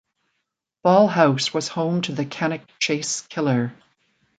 Ball House was home to the Cannock Chase Killer.